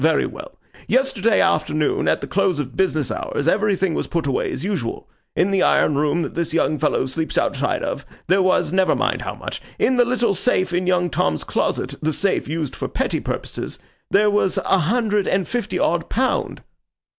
Very well. Yesterday afternoon, at the close of business hours, everything was put away as usual. In the iron room that this young fellow sleeps outside of, there was never mind how much. In the little safe in young Tom's closet, the safe used for petty purposes, there was a hundred and fifty odd pound.